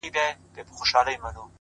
فاضل استاد عبدالرؤف بېنوا هم